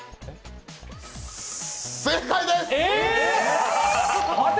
正解です！